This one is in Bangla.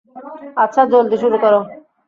আচ্ছা, জলদি শুরু করো।